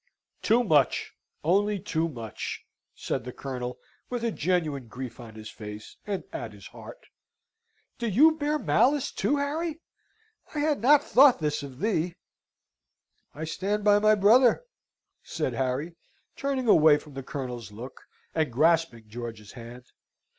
"Too much, only too much," said the Colonel, with a genuine grief on his face, and at his heart. "Do you bear malice too, Harry? I had not thought this of thee!" "I stand by my brother," said Harry, turning away from the Colonel's look, and grasping George's hand.